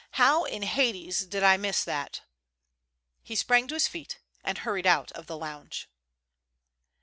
How in Hades did I miss that?" He sprang to his feet and hurried out of the lounge.